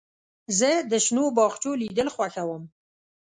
زه د شنو باغچو لیدل خوښوم.